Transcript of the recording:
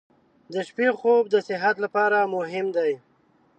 • د شپې خوب د صحت لپاره مهم دی.